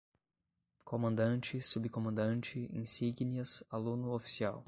Comandante, Subcomandante, insígnias, Aluno-oficial